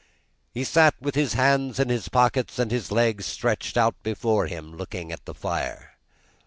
He sat, with his hands in his pockets and his legs stretched out before him, looking at the fire.